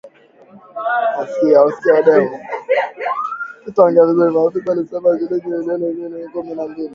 Maafisa walisema ni shilingi bilioni kumi na tatu za Kenya sawa na dola milioni mia moja kumi na mbili